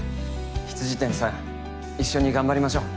未谷さん一緒に頑張りましょう。